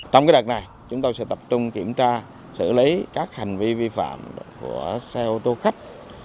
trong đợt này chúng tôi sẽ tập trung kiểm tra xử lý các hành vi vi phạm của xe ô tô khách